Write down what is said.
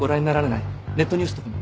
ネットニュースとかも。